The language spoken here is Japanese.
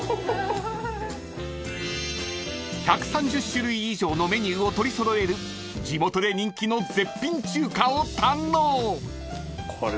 ［１３０種類以上のメニューを取り揃える地元で人気の絶品中華を堪能］